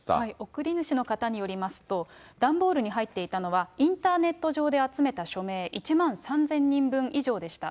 送り主の方によりますと、段ボールに入っていたのは、インターネット上で集めた署名１万３０００人分以上でした。